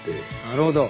なるほど。